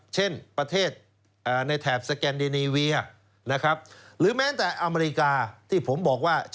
เช่นประเทศในแถบสแกนเดนีเวียนะครับ